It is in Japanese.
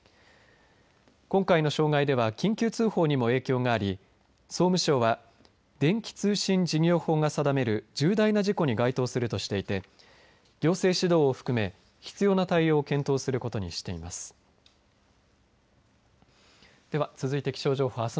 今回の障害では緊急通報にも影響があり総務省は電気通信事業法が定める重大な事故に該当するとしていて行政指導も含め必要な対応を検討することにしています。